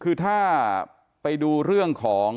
คือถ้าไปดูเรื่องของ